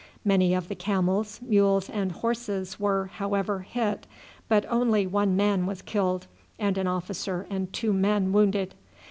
Many of the camels, mules, and horses were, however, hit, but only one man was killed and an officer and two men wounded.